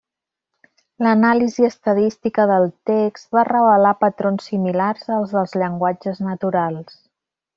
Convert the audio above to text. L'anàlisi estadística del text va revelar patrons similars als dels llenguatges naturals.